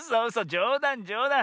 じょうだんじょうだん。